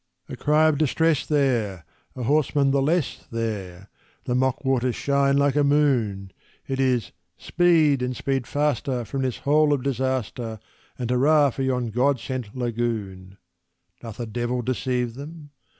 A cry of distress there! a horseman the less there! The mock waters shine like a moon! It is "Speed, and speed faster from this hole of disaster! And hurrah for yon God sent lagoon!" Doth a devil deceive them?